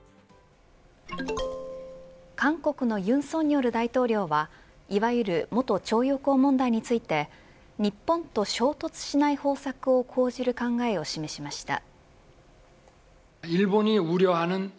韓国の尹錫悦大統領はいわゆる元徴用工問題について日本と衝突しない方策を講じる考えを示しました。